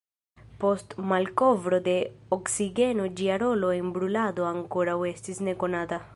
Post malkovro de oksigeno ĝia rolo en brulado ankoraŭ estis nekonata.